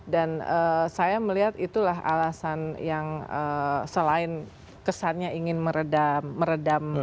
dan saya melihat itulah alasan yang selain kesannya ingin meredam